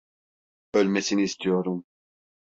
Ölmesini istiyorum.